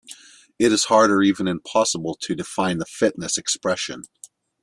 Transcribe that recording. It is hard or even impossible to define the fitness expression.